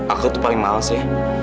aku tuh paling males ya